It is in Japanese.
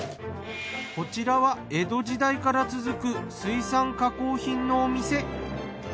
こちらは江戸時代から続く水産加工品のお店。